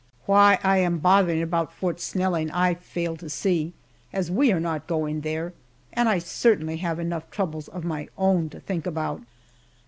Why I am bothering about Snelling I fail to see, as we are not going there, and I certainly have enough troubles of my Own to think about.